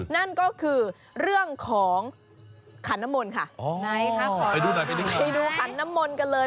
นั่นก็คือเรื่องของขันน้ำมนค่ะไปดูขันน้ำมนกันเลย